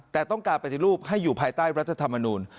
แต่ต้องการปฏิรูปให้อยู่ภายใต้รัฐธรรมนูล